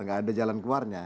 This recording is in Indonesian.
tidak ada jalan keluarnya